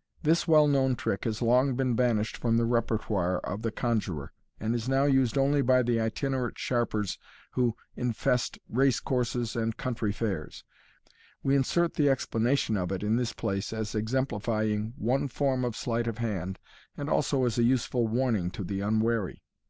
— This well known trick has long been banished from the repertoire of the conjuror, and is now used only by the itinerant sharpers who infest race courses and country fairs. We insert the explanation of it in this place as exemplifying one form of sleight of hand, and also as a useful warning to the unwary.